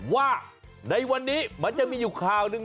ว่าในวันนี้มันจะมีอยู่ข่าวหนึ่ง